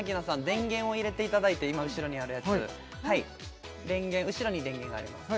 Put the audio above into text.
電源を入れていただいて今後ろにあるやつはい後ろに電源があります